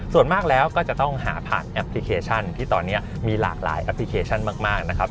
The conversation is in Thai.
ส่วนมากแล้วก็จะต้องหาผ่านแอปพลิเคชันที่ตอนนี้มีหลากหลายแอปพลิเคชันมากนะครับ